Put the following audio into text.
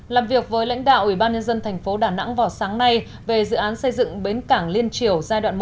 làm việc với lãnh đạo ủy ban nhân dân thành phố đà nẵng vào sáng nay về dự án xây dựng bến cảng liên triều giai đoạn một